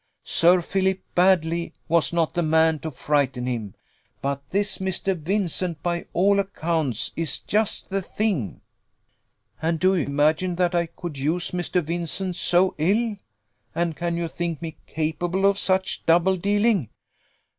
Sir Philip Baddely was not the man to frighten him; but this Mr. Vincent, by all accounts, is just the thing." "And do you imagine that I could use Mr. Vincent so ill? And can you think me capable of such double dealing?"